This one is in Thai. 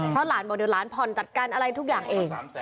เพราะหลานบอกเดี๋ยวหลานผ่อนจัดการอะไรทุกอย่างเอง